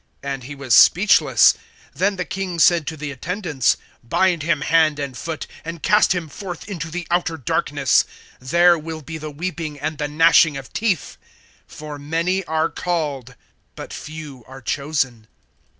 And he was speechless. (13)Then the king said to the attendants: Bind him hand and foot, and cast him forth into the outer darkness. There will be the weeping, and the gnashing of teeth! (14)For many are called, but few are chosen.